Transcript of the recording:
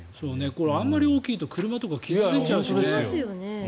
これあまり大きいと車とか傷付いちゃうしね。